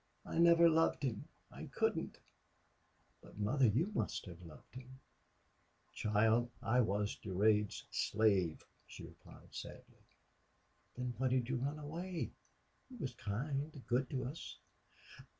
I never loved him. I couldn't.... But, mother, you must have loved him!" "Child, I was Durade's slave," she replied, sadly. "Then why did you run away? He was kind good to us."